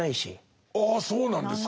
ああそうなんですか。